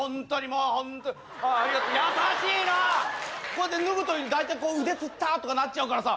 こうやって脱ぐときにだいたい腕つったとかなっちゃうからさ。